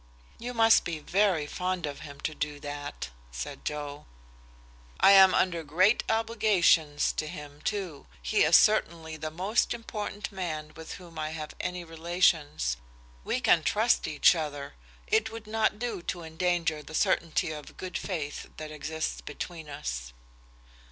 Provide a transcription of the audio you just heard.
"You must be very fond of him to do that," said Joe. "I am under great obligations to him, too. He is certainly the most important man with whom I have any relations. We can trust each other it would not do to endanger the certainty of good faith that exists between us."